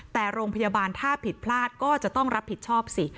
แต่โรงพยาบาลถ้าผิดพลาดก็จะต้องรับผิดชอบสิ